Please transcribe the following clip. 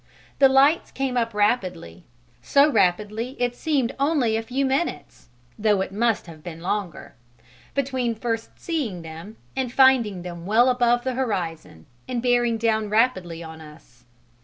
The lights came up rapidly: so rapidly it seemed only a few minutes (though it must have been longer) between first seeing them and finding them well above the horizon and bearing down rapidly on us.